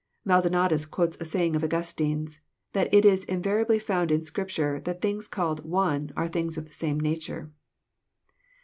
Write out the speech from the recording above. Maldonatus quotes a saying of Augustine's, —" that it Is inva riably found in Scripture that things called * one ' are things of the same nature."